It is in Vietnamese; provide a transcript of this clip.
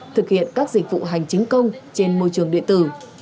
thực hiện các dịch vụ hành chính công trên môi trường điện tử